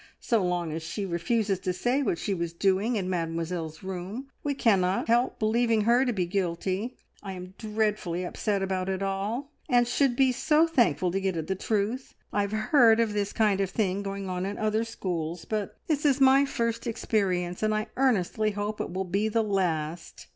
So long as she refuses to say what she was doing in Mademoiselle's room we cannot help believing her to be guilty. I am dreadfully upset about it all, and should be so thankful to get at the truth. I have heard of this kind of thing going on in other schools, but this is my first experience, and I earnestly hope it will be the last.